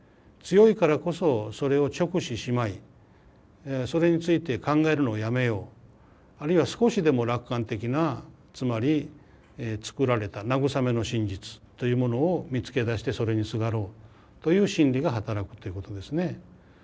強いからこそそれを直視しまいそれについて考えるのをやめようあるいは少しでも楽観的なつまり作られた慰めの真実というものを見つけ出してそれにすがろうという心理が働くっていうことですね。